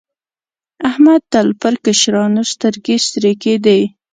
احمد تل پر کشرانو سترګې سرې کېدې.